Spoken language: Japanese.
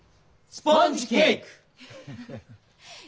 スポンジケイク！